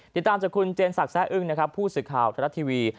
ติดตามจากคุณเจนศักดิแซ่อึ้งนะครับผู้สื่อข่าวทรัฐทีวี